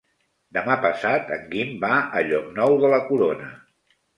Demà passat en Guim va a Llocnou de la Corona.